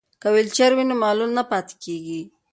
که ویلچر وي نو معلول نه پاتیږي.